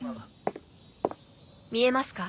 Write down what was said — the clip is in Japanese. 見えますか？